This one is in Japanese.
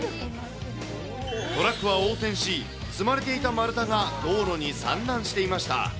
トラックは横転し、積まれていた丸太が道路に散乱していました。